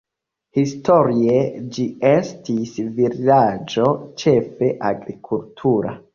Historie ĝi estis vilaĝo ĉefe agrikultura.